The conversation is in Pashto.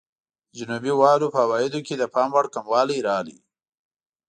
د جنوبي والو په عوایدو کې د پاموړ کموالی راغی.